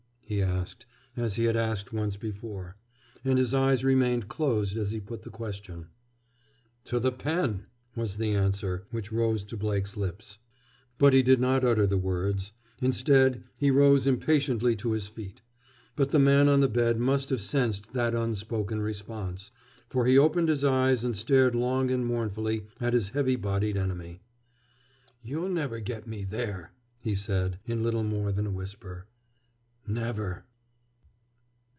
he asked, as he had asked once before. And his eyes remained closed as he put the question. "To the pen," was the answer which rose to Blake's lips. But he did not utter the words. Instead, he rose impatiently to his feet. But the man on the bed must have sensed that unspoken response, for he opened his eyes and stared long and mournfully at his heavy bodied enemy. "You'll never get me there!" he said, in little more than a whisper. "Never!"